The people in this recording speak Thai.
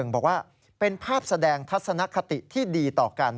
บอกว่าเป็นภาพแสดงทัศนคติที่ดีต่อกัน